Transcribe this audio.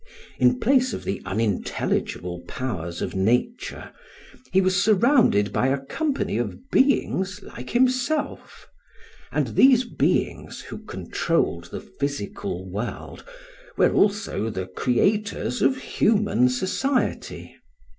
In place of the unintelligible powers of nature, he was surrounded by a company of beings like himself; and these beings who controlled the physical world were also the creators of human society.